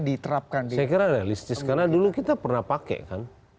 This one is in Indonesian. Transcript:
diterapkan saya kira realistis karena dulu kita pernah pakai kan